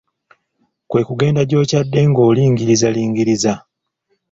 Kwe kugenda gy'okyadde ng'olingirizalingiriza.